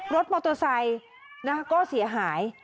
รถมอเตอร์ไซค์ก็เสียหาย